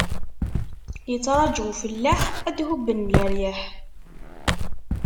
Ittṛaǧu ufellaḥ, ad d-hubben leryaḥ.